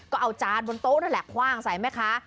ก็เอาจานบนโต๊ะนั่นแหละคว่างใส่แม่ค้า